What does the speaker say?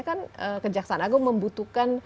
kan kejaksaan agung membutuhkan